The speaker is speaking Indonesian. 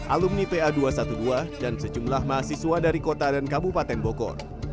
alumni pa dua ratus dua belas dan sejumlah mahasiswa dari kota dan kabupaten bogor